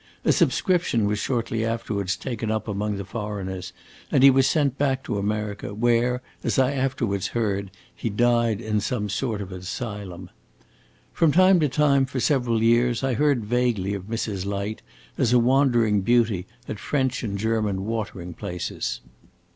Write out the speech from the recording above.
A subscription was shortly afterwards taken up among the foreigners, and he was sent back to America, where, as I afterwards heard, he died in some sort of asylum. From time to time, for several years, I heard vaguely of Mrs. Light as a wandering beauty at French and German watering places.